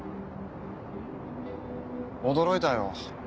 驚いたよ。